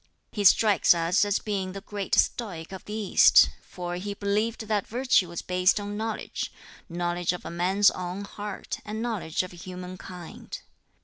He strikes us as being the great Stoic of the East, for he believed that virtue was based on knowledge, knowledge of a man's own heart, and knowledge of human kind.